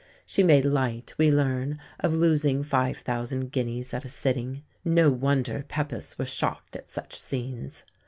She made light, we learn, of losing 5,000 guineas at a sitting. No wonder Pepys was shocked at such scenes.